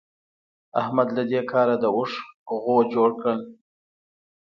احمد له دې کاره د اوښ غوو جوړ کړل.